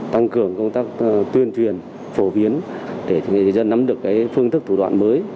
tăng cường công tác tuyên truyền phổ biến để người dân nắm được phương thức thủ đoạn mới